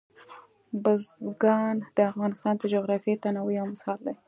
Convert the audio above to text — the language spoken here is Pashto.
بزګان د افغانستان د جغرافیوي تنوع یو مثال دی.